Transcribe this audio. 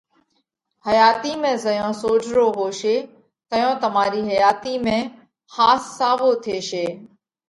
حياتِي ۾ زئيون سوجھرو هوشي تئيون تمارِي حياتِي ۾ ۿاس ساوو ٿيشي۔